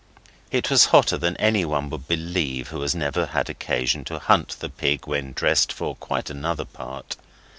It was hotter than anyone would believe who has never had occasion to hunt the pig when dressed for quite another part.